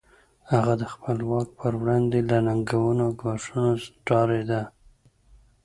هغه د خپل واک پر وړاندې له ننګونو او ګواښونو ډارېده.